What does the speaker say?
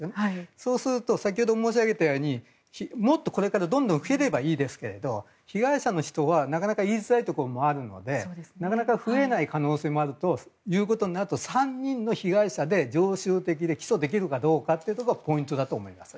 そうすると先ほど申し上げたようにもっとこれからどんどん増えればいいですが被害者の人はなかなか言いづらいところもあるのでなかなか増えない可能性もあるということになると３人の被害者で常習的で起訴できるかがポイントだと思います。